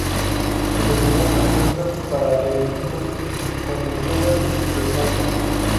Sus enseñanzas muestran paralelismos con el yoga y el tantra.